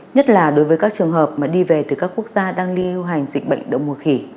nhất là đối với các trường hợp mà đi về từ các quốc gia đang đi lưu hành dịch bệnh đậu mùa khỉ